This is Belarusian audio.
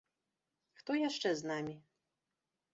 Хто яшчэ з намі?